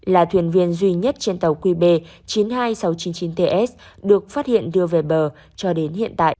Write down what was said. là thuyền viên duy nhất trên tàu qb chín mươi hai nghìn sáu trăm chín mươi chín ts được phát hiện đưa về bờ cho đến hiện tại